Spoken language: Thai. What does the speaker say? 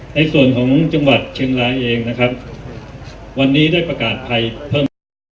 ในส่วนของจังหวัดเชียงรายเองนะครับวันนี้ได้ประกาศภัยเพิ่มเติม